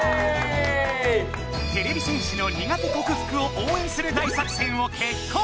てれび戦士の苦手こくふくを応援する大作戦を決行。